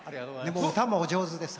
歌もお上手です。